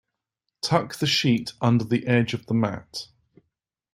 Tuck the sheet under the edge of the mat.